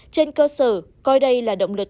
trên cơ sở coi đây là động lực